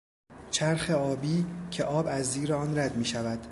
چرخ آبی که آب از زیر آن رد میشود